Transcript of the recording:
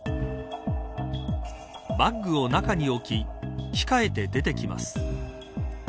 バッグを中に置き着替えて出てきます。